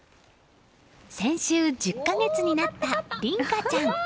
先週、１０か月になった琳香ちゃん。